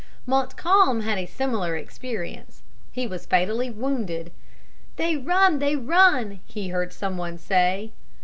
Montcalm had a similar experience. He was fatally wounded. "They run! They run!" he heard some one say.